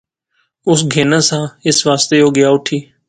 اس گینا ساہ، اس واسطے او گیا اٹھی